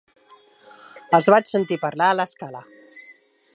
Els vaig sentir parlar a l'escala.